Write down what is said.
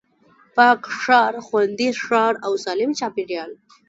پاک ښار، خوندي ښار او سالم چاپېريال